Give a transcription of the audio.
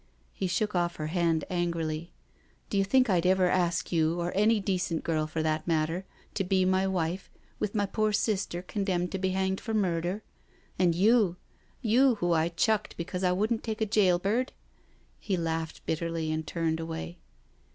He shook off her hand angrily. " Do you think I'd ever ask you, or any decent girl for that matter, to be my wife, with my poor sister condemned to be hanged for murder? And you I — you, who I chucked because I wouldn't take a jail bird I" He laughed bitterly, and turned away.